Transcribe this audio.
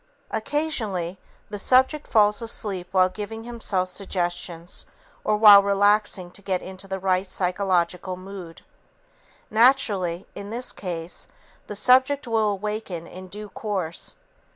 Occasionally, the subject falls asleep while giving himself suggestions or while relaxing to get into the right psychological mood. Naturally, in this case, the subject will awaken in due course.